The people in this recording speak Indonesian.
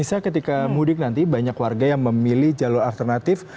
bisa ketika mudik nanti banyak warga yang memilih jalur alternatif